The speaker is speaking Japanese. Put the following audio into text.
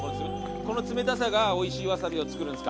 この冷たさがおいしいワサビを作るんすか？